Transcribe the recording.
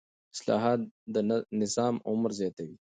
اصلاحات د نظام عمر زیاتوي